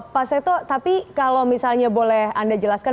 pak seto tapi kalau misalnya boleh anda jelaskan